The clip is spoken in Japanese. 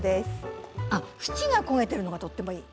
縁が焦げてるのがとってもいい。